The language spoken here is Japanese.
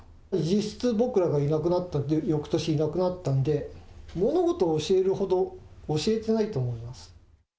実質、僕らがいなくなったので、よくとしいなくなったんで、物事を教えるほど教えてないと思います。